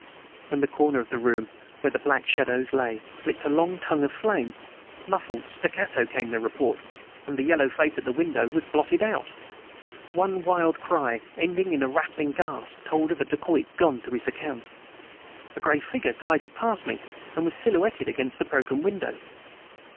From the corner of the room where the black shadows lay flicked a long tongue of flame. Muffled, staccato, came the report. And the yellow face at the window was blotted out. One wild cry, ending in a rattling gasp, told of a dacoit gone to his account. A gray figure glided past me and was silhouetted against the broken window.